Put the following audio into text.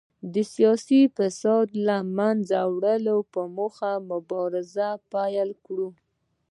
د سیاسي فساد له منځه وړلو په موخه مبارزه پیل کړې وه.